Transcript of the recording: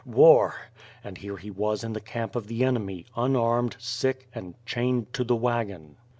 War! and here he was in the camp of the enemy, unarmed, sick, and chained to the wagon.